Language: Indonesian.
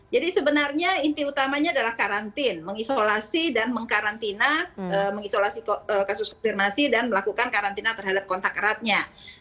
jadi sebenarnya inti utamanya adalah karantin mengisolasi dan mengkarantina mengisolasi kasus konfirmasi dan melakukan karantina terhadap kontak eratnya